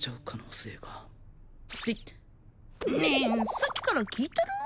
さっきから聞いてる？